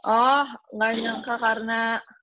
oh gak nyangka karena